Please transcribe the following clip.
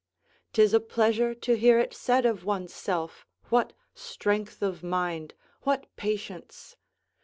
'Tis a pleasure to hear it said of oneself what strength of mind, what patience!